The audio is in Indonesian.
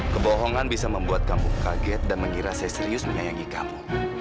kebohongan bisa membuat kampung kaget dan mengira saya serius menyayangi kamu